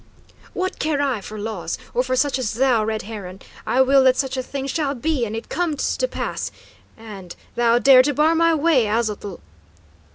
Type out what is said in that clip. "What care I for laws? Or for such as thou, Red Heron? I will that such a thing shall be, and it comes to pass. And thou dare to bar my way, Aztotl?"